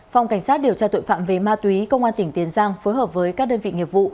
phòng cảnh sát điều tra tội phạm về ma túy công an tỉnh tiền giang phối hợp với các đơn vị nghiệp vụ